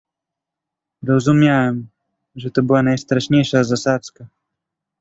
"Rozumiałem, że to była najstraszniejsza zasadzka."